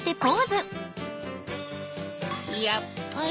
やっぱり。